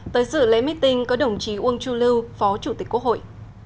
tới sự lễ meeting có đồng chí uông chu lưu phó chủ tịch quốc hội